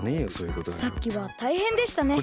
さっきはたいへんでしたね。